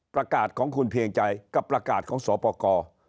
ประกาศของคุณเพียงใจกับประกาศของสอปกร